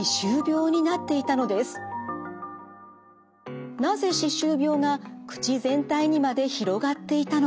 なぜ歯周病が口全体にまで広がっていたのか？